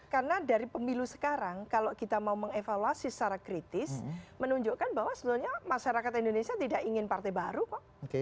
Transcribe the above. karena dari pemilu sekarang kalau kita mau mengevaluasi secara kritis menunjukkan bahwa sebenarnya masyarakat indonesia tidak ingin partai baru kok